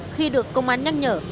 khi được công an nhắc nhở